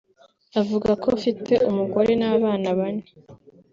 avuga ko afite umugore n’abana bane